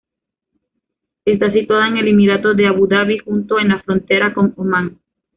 Está situada en el Emirato de Abu Dabi, justo en la frontera con Omán.